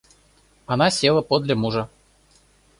Она села подле мужа.